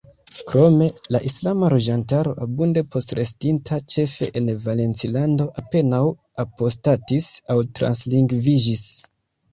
Krome, la islama loĝantaro, abunde postrestinta, ĉefe en Valencilando, apenaŭ apostatis aŭ translingviĝis.